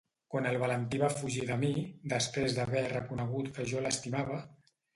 Quan el Valentí va fugir de mi, després d'haver reconegut que jo l'estimava...